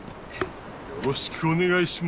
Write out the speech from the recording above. よろしくお願いします。